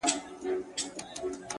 د حقیقت مینه وجدان روښانوي؛